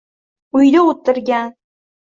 Uyda o‘tirgan.